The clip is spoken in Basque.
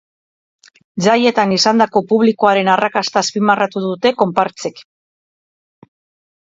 Jaietan izandako publikoaren arrakasta azpimarratu dute konpartsek.